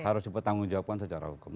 tapi kita bertanggung jawab secara hukum